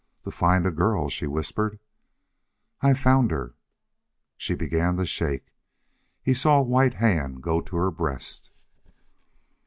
"To find a girl," she whispered. "I've found her!" She began to shake. He saw a white hand go to her breast.